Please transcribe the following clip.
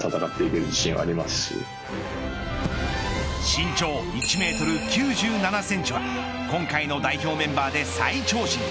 身長１メートル９７センチは今回の代表メンバーで最長身。